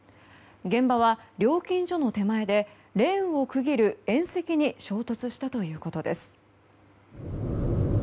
現場は料金所の手前でレーンを区切る縁石に衝突したということです。